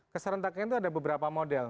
keserentaknya itu ada beberapa model